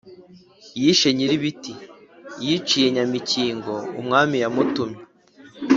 yishe nyir'ibiti, yiciye nyamikingo umwami yamutumye,